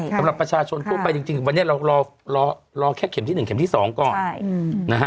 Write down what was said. สำหรับประชาชนทั่วไปจริงวันนี้เรารอแค่เข็มที่๑เข็มที่๒ก่อนนะฮะ